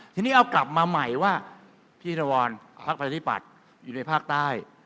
ทีนี้เอากลับมาใหม่ว่าพี่นวรพักประชาธิปัตย์อยู่ในภาคใต้